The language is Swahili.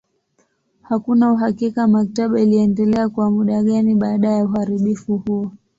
Hakuna uhakika maktaba iliendelea kwa muda gani baada ya uharibifu huo.